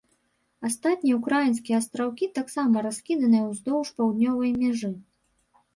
Астатнія ўкраінскія астраўкі таксама раскіданыя ўздоўж паўднёвай мяжы.